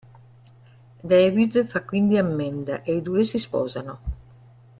David fa quindi ammenda, e i due si sposano.